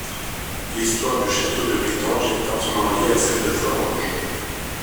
L’histoire du château de Bétange est intimement lié à celle de Florange.